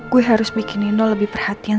gue harus bikin nino lebih perhatian